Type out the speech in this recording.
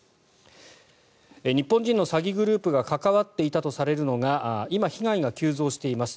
日本人の詐欺グループが関わっていたとされるのが今、被害が急増しています